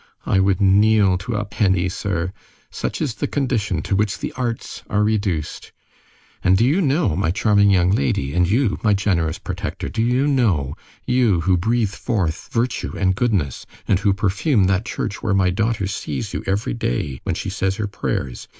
I would kneel to a penny, sir! Such is the condition to which the arts are reduced. And do you know, my charming young lady, and you, my generous protector, do you know, you who breathe forth virtue and goodness, and who perfume that church where my daughter sees you every day when she says her prayers?